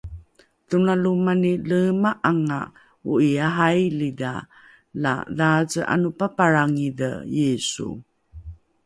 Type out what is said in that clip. Dhonalo mani leema'anga oo'i ahailidha la dhaace 'anopapalrangidhe Yisu